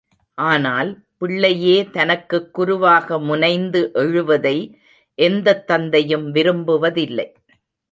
ஆனால் பிள்ளையே தனக்குக் குருவாக முனைந்து எழுவதை எந்தத் தந்தையும் விரும்புவதில்லை.